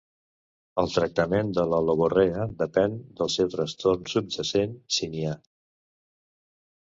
El tractament de la logorrea depèn del seu trastorn subjacent, si n'hi ha.